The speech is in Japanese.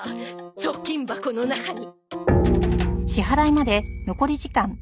貯金箱の中に。